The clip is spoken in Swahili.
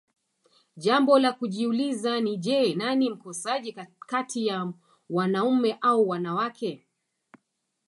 jambo la kujiuliza ni je nani mkosaji kati ya wanaume au wanawake